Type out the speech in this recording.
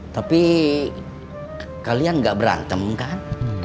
tapi kalian gak berantem kan